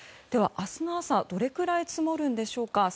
では、明日の朝どれぐらい積もるんでしょうか。